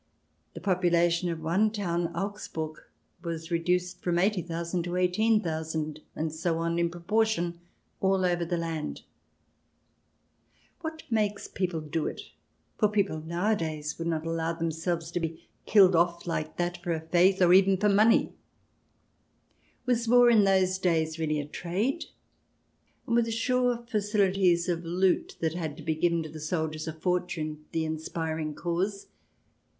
The population of one town, Augsburg, was reduced from eighty thousand to eighteen thousand, and so on, in pro portion all over the land. What makes people do it? for people nowadays would not allow them selves to be killed off like that for a faith, or even * Or his representative. J. L. F. M. H. CH. xviii] ANABAPTISTS 257 for money. Was war in those days really a trade, and were the sure facilities of loot that had to be given to soldiers of fortune the inspiring cause?